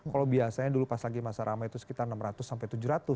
kalau biasanya dulu pas lagi masa ramai itu sekitar enam ratus sampai tujuh ratus